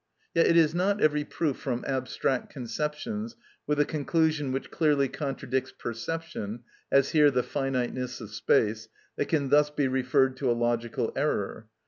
Yet it is not every proof from abstract conceptions, with a conclusion which clearly contradicts perception (as here the finiteness of space), that can thus be referred to a logical error.